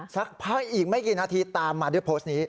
สักพักอีกไม่กี่นาทีตามมาด้วยโพสต์นี้